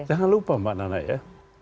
jangan lupa mbak nana ya